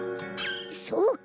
そうか！